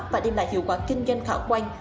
và đem lại hiệu quả kinh doanh khảo quan